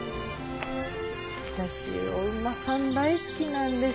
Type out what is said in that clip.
私お馬さん大好きなんです。